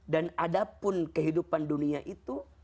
dan adapun kehidupan dunia itu